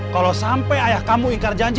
kalau sampai ayah kamu ingkar janji